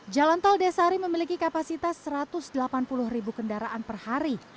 jalan tol desari memiliki kapasitas satu ratus delapan puluh ribu kendaraan per hari